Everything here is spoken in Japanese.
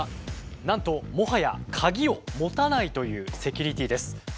なんともはや鍵を持たないというセキュリティーです。